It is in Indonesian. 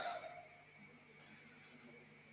dari pengumpulan data